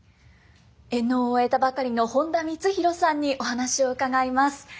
演能を終えたばかりの本田光洋さんにお話を伺います。